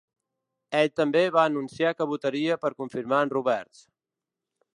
Ell també va anunciar que votaria per confirmar en Roberts.